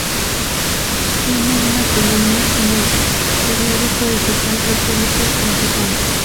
Tiene una columna en el periódico digital Republica.com.